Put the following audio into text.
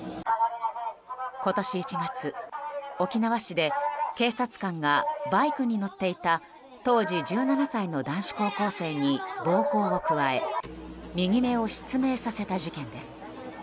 今年１月、沖縄市で警察官がバイクに乗っていた当時１７歳の男子高校生に暴行を加え右目を失明させた事件です。